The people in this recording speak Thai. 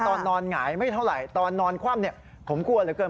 ตอนนอนหงายไม่เท่าไหร่ตอนนอนคว่ำเนี่ยผมกลัวเหลือเกิน